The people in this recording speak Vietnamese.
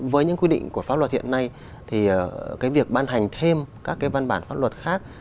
với những quy định của pháp luật hiện nay thì cái việc ban hành thêm các cái văn bản pháp luật khác